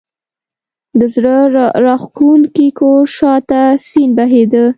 د زړه راکښونکي کور شا ته سیند بهېده.